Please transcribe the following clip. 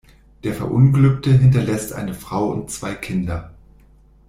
Der Verunglückte hinterlässt eine Frau und zwei Kinder.